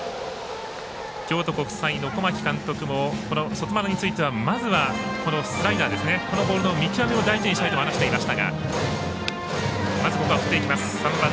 京都国際の小牧監督もこの外丸については、まずスライダーボールの見極めを大事にしたいと話しました。